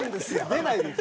出ないです。